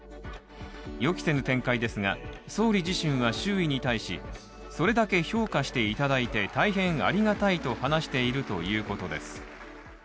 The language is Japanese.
予期せぬ展開ですが、総理自身は周囲に対し、それだけ評価していただいて大変ありがたいと話しているということです。